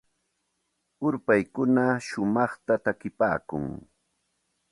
Ulpaykuna shumaqta takipaakun.